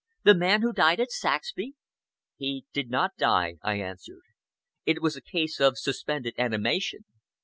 The man who died at Saxby!" "He did not die," I answered. "It was a case of suspended animation.